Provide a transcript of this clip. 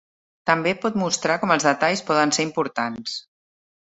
També pot mostrar com els detalls poden ser importants.